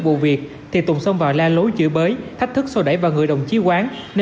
vụ việc thì tùng xông vào la lối chửi bới thách thức sô đẩy vào người đồng chí quán